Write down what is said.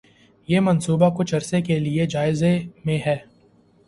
یہ منصوبہ کچھ عرصہ کے لیے جائزے میں ہے